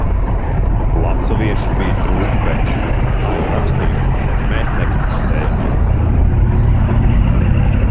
Vlasovieši bija drūmi veči un kā jau rakstīju mēs nekontaktējāmies.